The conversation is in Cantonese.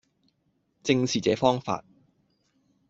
正是這方法。